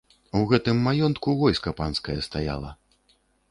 У гэтым маёнтку войска панскае стаяла.